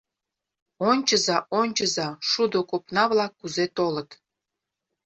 Ончыза, ончыза, шудо копна-влак кузе толыт!